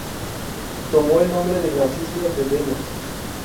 Tomó el nombre de la isla de Delos.